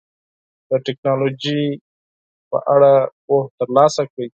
د ټکنالوژۍ په اړه پوهه ترلاسه کړئ.